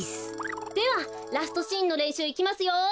ではラストシーンのれんしゅういきますよ。